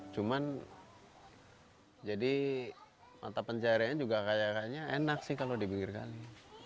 cuman jadi mata pencariannya juga kayak kayaknya enak sih kalau di pinggir kali